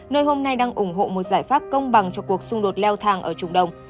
nơi hôm nay đang ủng hộ một giải pháp công bằng cho cuộc xung đột leo thang ở trung đông